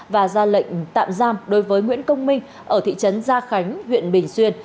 và ra lệnh tạm giam đối với nguyễn công minh ở thị trấn gia khánh huyện bình xuyên